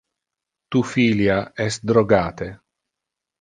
Tu filia es drogate.